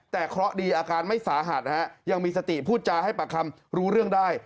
แต่เคราะห์ดีอาการไม่สาหัสนะฮะยังมีสติพูดจาให้ปากคำรู้เรื่องได้